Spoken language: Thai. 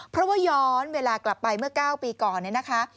เพราะว่าย้อนเวลากลับไปเมื่อ๙ปีก่อนเนี่ยนะคะ